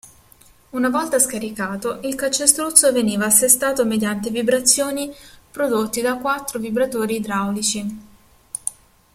Una volta scaricato, il calcestruzzo veniva assestato mediante vibrazioni prodotti da quattro vibratori idraulici.